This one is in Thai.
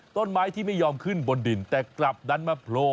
ต้นไม้ที่ไม่ยอมขึ้นบนดินแต่กลับดันมาโผล่